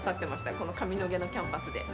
この上野毛のキャンパスで。